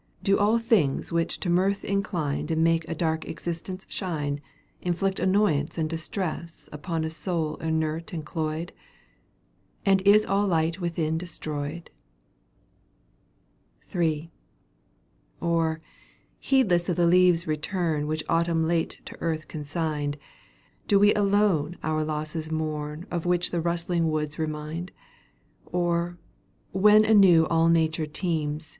Do all things which to mirth incline . And make a dark existence shine Inflict annoyance and distress • Upon Й soul inert and cloyed? — And is all light within destroyed ? III. Or, heedless of the leaves' return^ Which Autumn late to earth consigned. Do we alone our losses mourn Of which the rustling woods remind ? Or, when anew all Nature teems.